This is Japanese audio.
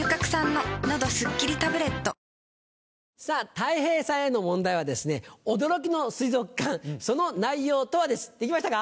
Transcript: たい平さんへの問題は「驚きの水族館その内容とは？」です。できましたか？